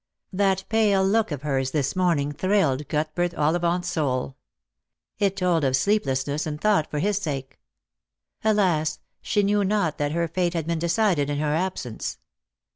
That pale look of hers this morning thrilled Cuthbert Ollivant's soul. It told of sleeplessness and thought for his sake. Alas, she knew not that her fate had been decided in her absence.